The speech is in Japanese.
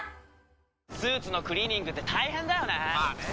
「スーツのクリーニングって大変だよね」